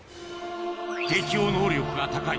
適応能力が高い